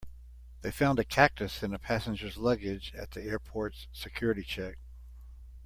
They found a cactus in a passenger's luggage at the airport's security check.